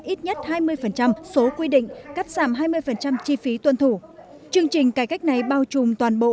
ít nhất hai mươi số quy định cắt giảm hai mươi chi phí tuân thủ chương trình cải cách này bao trùm toàn bộ